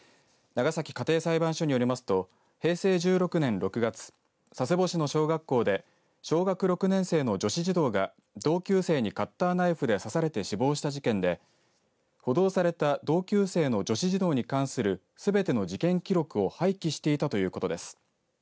長崎家庭裁判所によりますと平成１６年６月佐世保市の小学校で小学６年生の女子児童が同級生にカッターナイフで刺されて死亡した事件で補導された同級生の女子児童に関するすべての事件記録を廃棄していたということです。